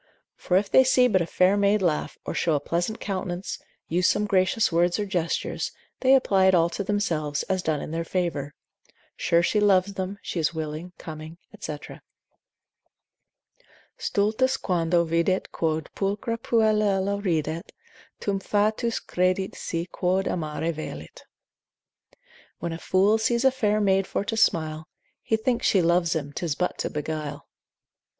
For if they see but a fair maid laugh, or show a pleasant countenance, use some gracious words or gestures, they apply it all to themselves, as done in their favour; sure she loves them, she is willing, coming, &c. Stultus quando videt quod pulchra puellula ridet, Tum fatuus credit se quod amare velit: When a fool sees a fair maid for to smile, He thinks she loves him, 'tis but to beguile.